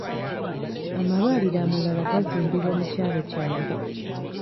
Amalwaliro amalala gazimbibwa mu kyalo kyange.